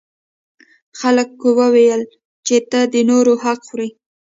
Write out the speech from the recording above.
خلکو وویل چې ته د نورو حق خوري.